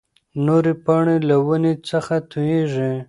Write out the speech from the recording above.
نورې پاڼې له ونې څخه تويېږي.